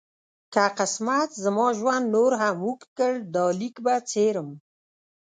که قسمت زما ژوند نور هم اوږد کړ دا لیک به څېرم.